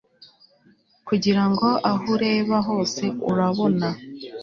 Kugira ngo aho ureba hose urabona